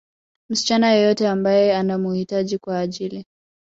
msichana yeyote ambaye anamuhitaji kwa ajili